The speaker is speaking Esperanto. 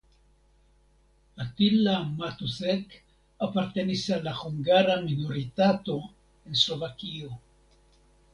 Attila Matusek apartenis al la hungara minoritato en Slovakio.